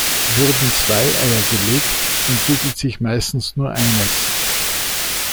Wurden zwei Eier gelegt, entwickelt sich meistens nur eines.